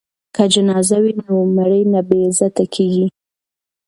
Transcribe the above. که جنازه وي نو مړی نه بې عزته کیږي.